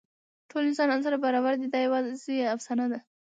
ټول انسانان سره برابر دي، دا یواځې افسانه ده.